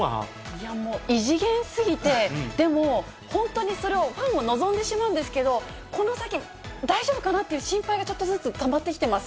いやー、もう、異次元すぎて、でも、本当にそれを、ファンも望んでしまうんですけど、この先、大丈夫かなっていう心配がちょっとずつたまってきてます。